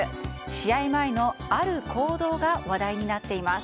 試合前のある行動が話題になっています。